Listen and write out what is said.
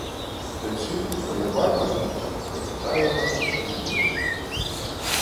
Прычым, ваявалі яны, як правіла, узімку.